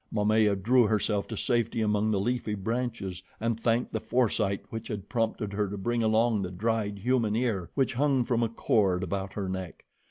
Momaya drew herself to safety among the leafy branches and thanked the foresight which had prompted her to bring along the dried human ear which hung from a cord about her neck.